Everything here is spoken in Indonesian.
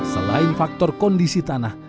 selain faktor kondisi tanah